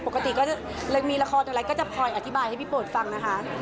ปกติก็เลยมีละครอะไรก็จะคอยอธิบายให้พี่โปรดฟังนะคะ